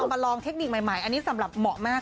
มาลองเทคนิคใหม่อันนี้สำหรับเหมาะมาก